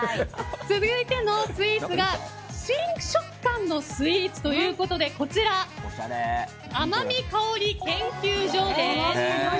続いてのスイーツが新食感のスイーツということでこちら、あまみカオリ研究所です。